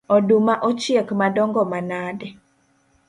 Oduma ochiek madongo manade